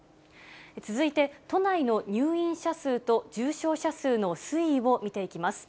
続いて、都内の入院者数と、重症者数の推移を見ていきます。